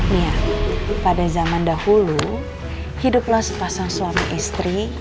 iya pada zaman dahulu hiduplah sepasang suami istri